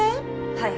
はい。